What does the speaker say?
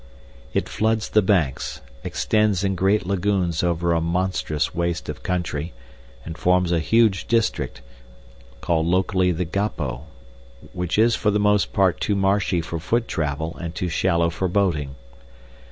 It floods the banks, extends in great lagoons over a monstrous waste of country, and forms a huge district, called locally the Gapo, which is for the most part too marshy for foot travel and too shallow for boating.